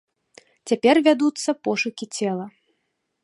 Цяпер вядуцца пошукі цела.